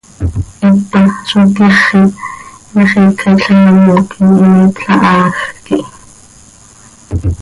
Hita, ¿zó cyáxiya, xiica itleen oo mooquim imiipla haaj quih?